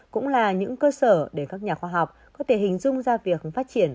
cũng là những cơ sở để các nhà khoa học có thể hình dung ra việc phát triển